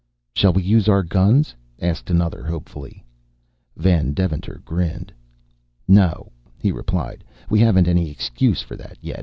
"Shall we use our guns?" asked another hopefully. Van Deventer grinned. "No," he replied, "we haven't any excuse for that yet.